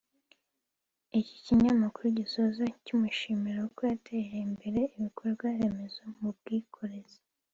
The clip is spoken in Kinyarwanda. Iki kinyamakuru gisoza kimushimira uko yateje imbere ibikorwa remezo mu bwikorezi